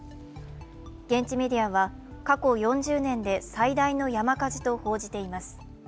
現地メディアは、過去４０年で最大の山火事と報じています。